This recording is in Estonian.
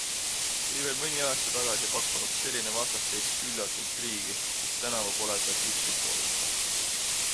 Kui veel mõni aasta tagasi pakkunuks selline vastasseis küllalt intriigi, siis tänavu pole seda kuskilt oodata.